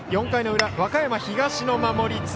４回の裏、和歌山東の守り。